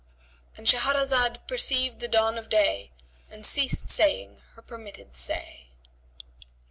—And Shahrazad perceived the dawn of day and ceased saying her permitted say.